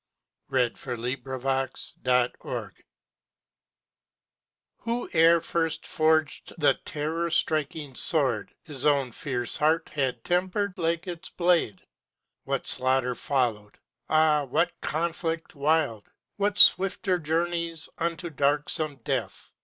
"_ ELEGY THE ELEVENTH WAR IS A CRIME Whoe'er first forged the terror striking sword, His own fierce heart had tempered like its blade. What slaughter followed! Ah! what conflict wild! What swifter journeys unto darksome death!